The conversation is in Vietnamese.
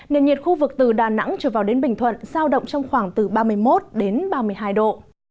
nền nhiệt khu vực từ đà nẵng trở vào đến bình thuận giao động trong khoảng từ ba mươi một đến ba mươi hai độ